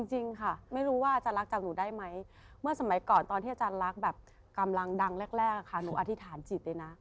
จริงค่ะไม่รู้ว่าอาจารย์รักจากหนูได้ไหมเมื่อสมัยก่อนตอนที่อาจารย์รักแบบกำลังดังแรกค่ะหนูอธิษฐานจิตเลยนะ